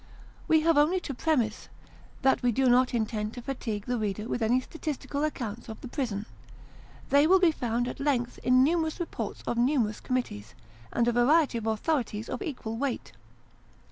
We have only to premise, that we do not intend to fatigue the reader with any statistical accounts of the prison ; they will be found at length in numerous reports of numerous committees, and a variety of authorities of equal weight.